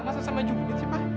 masa sama juga sih pak